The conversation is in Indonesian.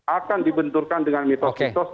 akan dibenturkan dengan mitos mitos